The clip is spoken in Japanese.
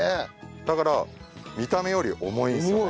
だから見た目より重いんですよね。